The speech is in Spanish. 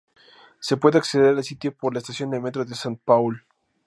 Se puede acceder al sitio por la estación de metro de Saint-Paul.